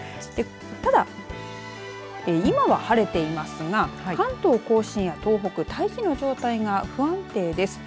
ただ、今は晴れていますが関東甲信や東北大気の状態が不安定です。